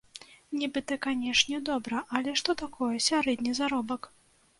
Нібыта, канешне, добра, але што такое сярэдні заробак?